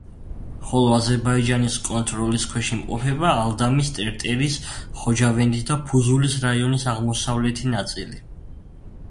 ხოლო აზერბაიჯანის კონტროლის ქვეშ იმყოფება აღდამის, ტერტერის, ხოჯავენდის და ფუზულის რაიონის აღმოსავლეთი ნაწილი.